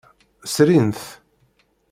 Srin-t.